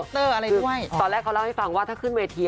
ตอนแรกเขาเล่าให้ฟังว่าถ้าขึ้นเวที